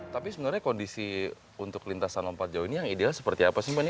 tapi sebenarnya kondisi untuk lintasan lompat jauh ini yang ideal seperti apa sih mbak ini